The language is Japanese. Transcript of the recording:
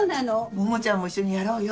桃ちゃんも一緒にやろうよ。